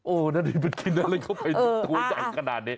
โอ้โหมันกินอะไรเข้าไปตัวใหญ่ขนาดนี้